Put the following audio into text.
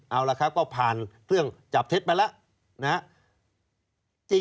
เอาละครับก็ผ่านเครื่องจับเท็จมาแล้วนะครับ